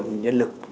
nguồn nhân lực